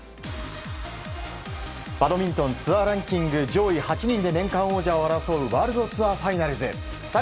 バドミントンツアーランキング上位８人で年間王者を争うワールドツアーファイナルズ。